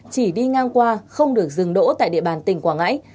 chỉ đi ngang qua không được dừng đỗ tại địa bàn tỉnh quảng ngãi